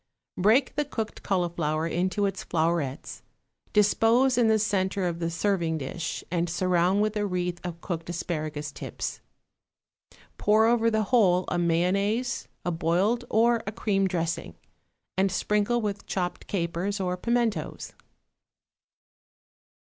= Break the cooked cauliflower into its flowerets, dispose in the centre of the serving dish and surround with a wreath of cooked asparagus tips. Pour over the whole a mayonnaise, a boiled or a cream dressing, and sprinkle with chopped capers or pimentos.